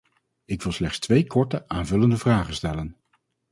Ik wil slecht twee korte aanvullende vragen stellen.